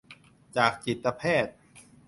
จากจิตแพทย์